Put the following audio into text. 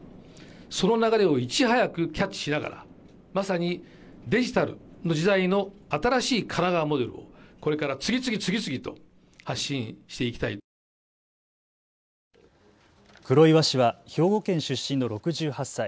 その流れをいち早くキャッチしながら、まさにデジタルの時代の新しい神奈川モデルをこれから次々、次々と発信してい黒岩氏は兵庫県出身の６８歳。